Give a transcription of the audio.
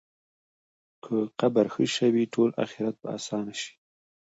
که قبر ښه شي، ټول آخرت به اسان شي.